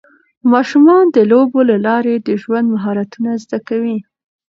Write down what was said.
ماشومان د لوبو له لارې د ژوند مهارتونه زده کوي.